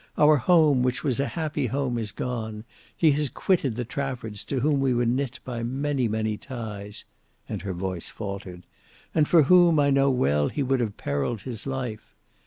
Our home, which was a happy home, is gone; he has quitted the Traffords to whom we were knit by many, many ties," and her voice faltered—"and for whom, I know well he would have perilled his life.